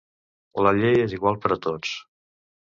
La llei és igual per a tots.